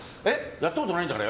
やったことないんだから。